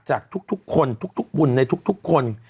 จากทุกคนทุกบุญในทุกคน